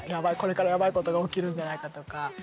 これからヤバいことが起きるんじゃないかとか。